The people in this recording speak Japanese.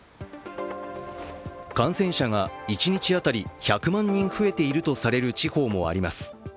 感染者が一日当たり１００万人増えているとされる地方もあります。